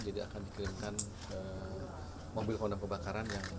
jadi akan dikirimkan ke mobil pembakaran